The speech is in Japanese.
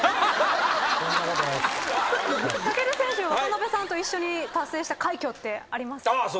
武尊選手渡辺さんと一緒に達成した快挙ってありますか？